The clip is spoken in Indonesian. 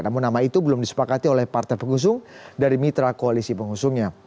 namun nama itu belum disepakati oleh partai pengusung dari mitra koalisi pengusungnya